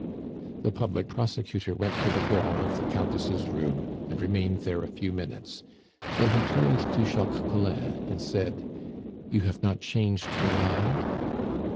The public prosecutor went to the door of the Countess' room, and remained there a few minutes; then he turned to Jacques Collin and said: "You have not changed your mind?"